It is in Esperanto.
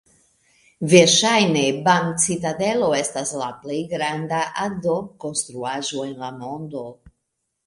Verŝajne Bam-citadelo estas la plej granda adob-konstruaĵo en la mondo.